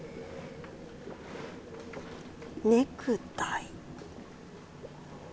ネクタイ。